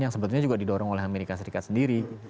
yang sebetulnya juga didorong oleh amerika serikat sendiri